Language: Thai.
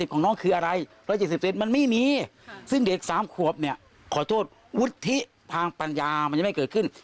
ครอบขอโทษวุฒิภาพปัญญามันยังไม่เกิดขึ้น